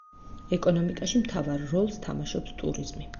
ეკონომიკაში მთავარ როლს თამაშობს ტურიზმი.